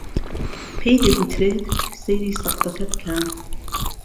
پێی دەگوترێت سەیری سەقفەکە بکە